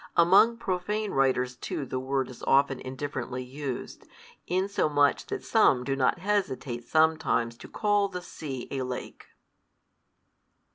Among profane writers too the word is often indifferently used, insomuch that some do not hesitate sometimes to call the sea a lake.